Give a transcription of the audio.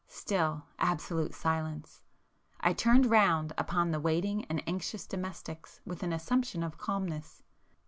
Still absolute silence. I turned round upon the waiting and anxious domestics with an assumption of calmness.